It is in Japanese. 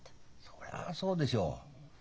そりゃそうでしょう。